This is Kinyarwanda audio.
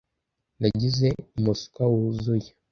Nagize umuswa wuzuye.